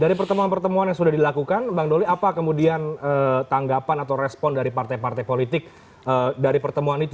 dari pertemuan pertemuan yang sudah dilakukan bang doli apa kemudian tanggapan atau respon dari partai partai politik dari pertemuan itu